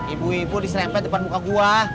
ibu ibu diserempet depan muka gue